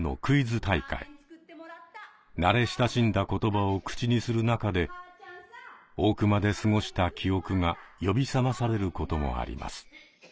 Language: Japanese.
慣れ親しんだ言葉を口にする中で大熊で過ごした記憶が呼び覚まされることもあります。